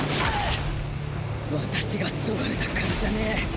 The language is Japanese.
私が削がれたからじゃねえ。